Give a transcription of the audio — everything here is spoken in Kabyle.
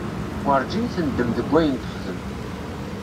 Werǧin tendem deg wayen texdem.